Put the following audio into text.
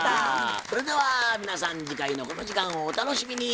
それでは皆さん次回のこの時間をお楽しみに。